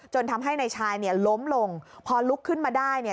ทำให้นายชายเนี่ยล้มลงพอลุกขึ้นมาได้เนี่ย